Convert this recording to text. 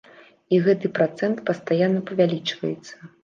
І гэты працэнт пастаянна павялічваецца.